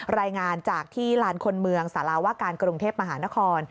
รายงานจากที่ลานคนเมืองสาราว่าการกรุงเทพมหานคร